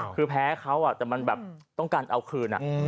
คือแพ้เขาแต่มันแบบต้องการเอาคืน